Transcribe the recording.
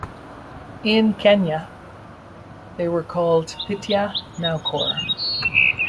In Quenya they were called "Pitya-naukor".